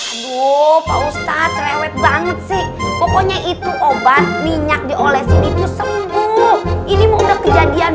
aduh pausat celewet banget sih pokoknya itu obat minyak diolesin itu sembuh ini mau udah kejadian